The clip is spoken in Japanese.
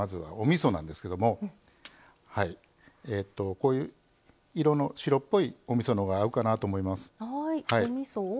こういう色の白っぽいおみそのが合うかなと思います。